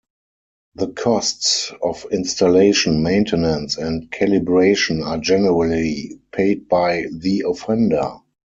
The costs of installation, maintenance, and calibration are generally paid by the offender.